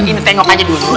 ini tengok aja dulu